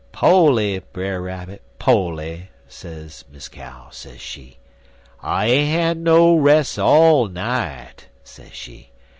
"Po'ly, Brer Rabbit, poly,' sez Miss Cow, sez she. 'I ain't had no res' all night,' sez she.